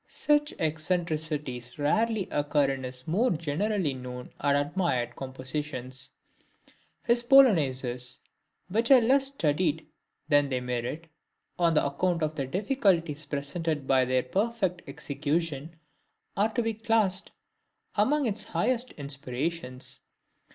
Such eccentricities rarely occur in his more generally known and admired compositions. His Polonaises, which are less studied than they merit, on account of the difficulties presented by their perfect execution, are to be classed among his highest inspirations.